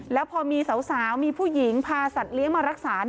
แล้วพอมีสาวมีผู้หญิงพาสัตว์เลี้ยงมารักษา